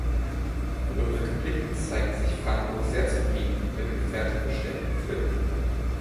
Rückblickend zeigte sich Franco sehr zufrieden mit dem fertiggestellten Film.